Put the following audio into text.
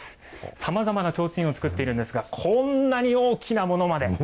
さまざまな提灯を作っているんですが、こんなに大きなものまで。